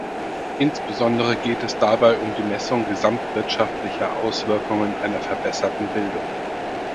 Insbesondere geht es dabei um die Messung gesamtwirtschaftlicher Auswirkungen einer verbesserten Bildung.